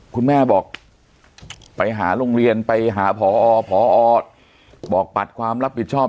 คุณแม่บอกไปหาโรงเรียนไปหาผอพอบอกปัดความรับผิดชอบ